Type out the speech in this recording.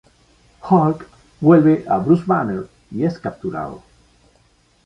Hulk vuelve a Bruce Banner y es capturado.